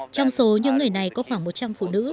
trong số những người này có khoảng một trăm linh phụ nữ